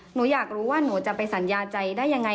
หนูอยากรู้ว่าหนูจะไปสัญญาใจได้ยังไง